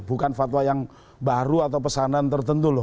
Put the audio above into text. bukan fatwa yang baru atau pesanan tertentu loh